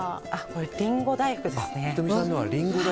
これはりんご大福ですね。